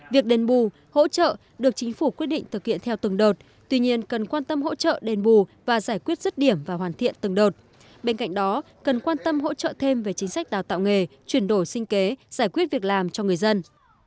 việc đền bù hỗ trợ được chính phủ quyết định thực hiện theo từng đợt tuy nhiên cần quan tâm hỗ trợ đền bù và giải quyết rứt điểm và hoàn thiện từng đợt bên cạnh đó cần quan tâm hỗ trợ thêm về chính sách đào tạo nghề chuyển đổi sinh kế giải quyết việc làm cho người dân